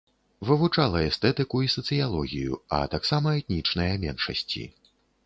Вывучала эстэтыку і сацыялогію, а таксама этнічныя меншасці.